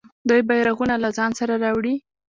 دوی بیرغونه له ځان سره راوړي.